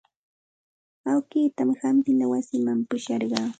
Awkiitan hampina wasiman pusharqaa.